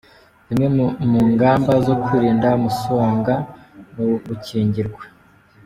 Zimwe mu ngamba zo kwirinda umusonga, ni ugukingirwa,